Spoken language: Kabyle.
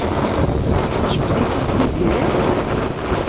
Tjebbed-ik-id Tiziri?